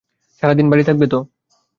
সারাদিন বাড়ি থাকবে তো?